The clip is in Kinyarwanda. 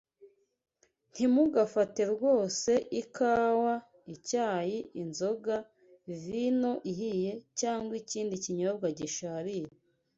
Ntimugafate rwose ikawa, icyayi, inzoga, vino ihiye, cyangwa ikindi kinyobwa gisharira